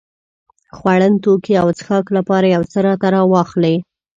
خوړن توکي او څښاک لپاره يو څه راته راواخلې.